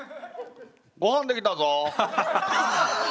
ごはん出来たぞ！